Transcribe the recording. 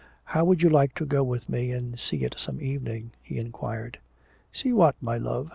"How would you like to go with me and see it some evening?" he inquired. "See what, my love?"